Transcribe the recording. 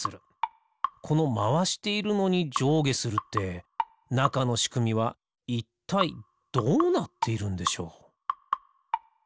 このまわしているのにじょうげするってなかのしくみはいったいどうなっているんでしょう？